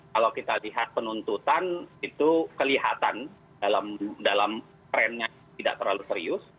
kalau kita lihat penuntutan itu kelihatan dalam trendnya tidak terlalu serius